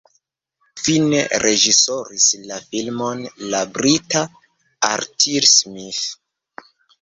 Fine reĝisoris la filmon la brita Arthur Smith.